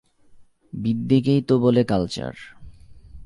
বিদ্যেকেই তো বলে কালচার।